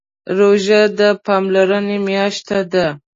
روژه د پاملرنې میاشت ده.